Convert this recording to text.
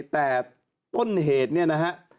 แต่ต้นเหตุเนี่ยนะฮะ